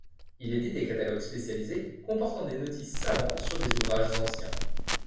Il édite des catalogues spécialisés comportant des notices savantes sur des ouvrages anciens.